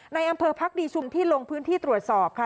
ในอำเภอพักดีชุมที่ลงพื้นที่ตรวจสอบค่ะ